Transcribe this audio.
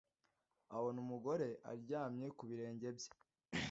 abona umugore uryamye ku birenge bye